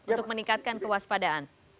untuk meningkatkan kewaspadaan